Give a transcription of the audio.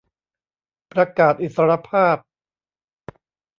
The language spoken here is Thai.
ประกาศอิสรภาพ